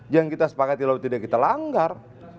yang kita sepakat ilham tidak kita langgar